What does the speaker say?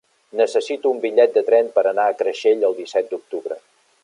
Necessito un bitllet de tren per anar a Creixell el disset d'octubre.